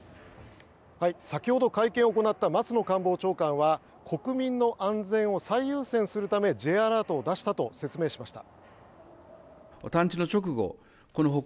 先ほど会見を行った松野官房長官は国民の安全を最優先するためＪアラートを出したと説明しました。